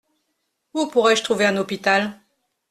Où pourrais-je trouver un hôpital ?